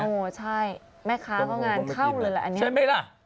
โอ้โหใช่แม่ค้าก็งานเข้าเลยแหละอันนี้ใช่ไหมล่ะ